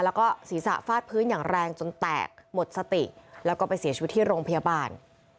แล้วก็ศีรษะฟาดพื้นอย่างแรงจนแตกหมดสติแล้วก็ไปเสียชีวิตที่โรงพยาบาล